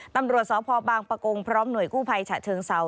ตำรวจสพบางประกงพร้อมหน่วยกู้ภัยฉะเชิงเซา